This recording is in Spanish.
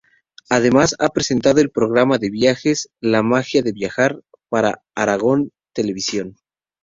Además, ha presentado el programa de viajes "La magia de Viajar" para Aragón Televisión.